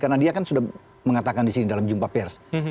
karena dia kan sudah mengatakan di sini dalam jumpa pers